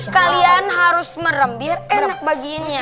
kalian harus merem biar enak bagiinnya